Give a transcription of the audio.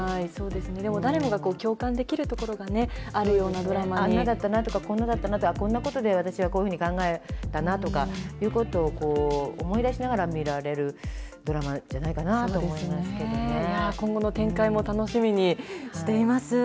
でも誰もが共感できるところがね、あんなだったなとか、こんなだったなとか、こんなことで私はこういうふうに考えたなっていうことを思い出しながら見られるドラマじゃないかなと思いますけど今後の展開も楽しみにしています。